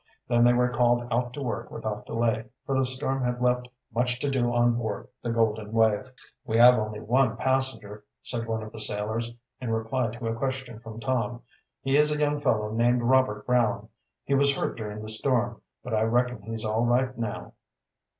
Then they were called out to work without delay, for the storm had left much to do on board the Golden Wave. "We have only one passenger," said one of the sailors, in reply to a question from Tom.. "He is a young fellow named Robert Brown. He was hurt during the storm, but I reckon he's all right now."